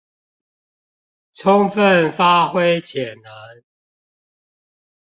充分發揮潛能